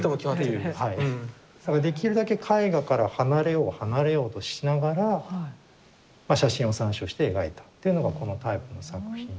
できるだけ絵画から離れよう離れようとしながら写真を参照して描いたというのがこのタイプの作品で。